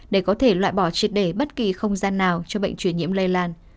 để có thể loại bỏ triệt để bất kỳ không gian nào cho bệnh truyền nhiễm lây lan